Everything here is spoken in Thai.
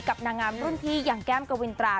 นางงามรุ่นพี่อย่างแก้มกวินตรา